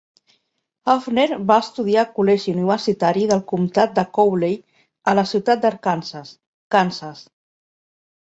Hafner va estudiar a col·legi universitari del comtat de Cowley a la ciutat d'Arkansas, Kansas.